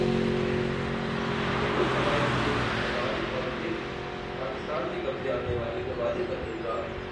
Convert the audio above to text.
بلوچ قبائل سے عمان اور پھر پاکستان کے قبضے میں آنے والی گوادربندرگاہ